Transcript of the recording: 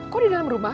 kok di dalam rumah